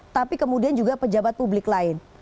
tapi kemudian juga pejabat publik lain